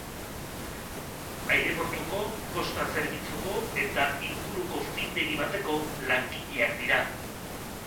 Aireportuko, posta zerbitzuko eta inguruko findegi bateko langileak dira.